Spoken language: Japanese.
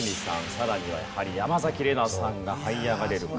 さらにはやはり山崎怜奈さんがはい上がれるか。